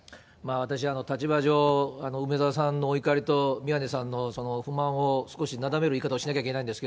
私、立場上、梅沢さんのお怒りと、宮根さんの不満を少しなだめる言い方をしなければいけないんです